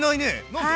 何で？